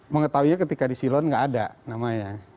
mengetahuinya ketika di silon nggak ada namanya